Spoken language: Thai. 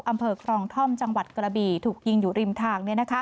อำเภอคลองท่อมจังหวัดกระบี่ถูกยิงอยู่ริมทาง